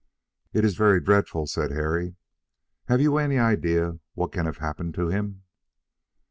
"It is very dreadful," said Harry. "Have you any idea what can have happened to him?"